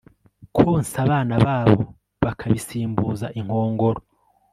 konsa abana babo bakabisimbuza inkongoro